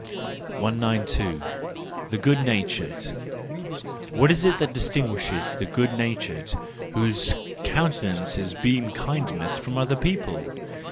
192. The Good natured\ —What is it that distinguishes the good natured, whose countenances beam kind¬ ness, from other people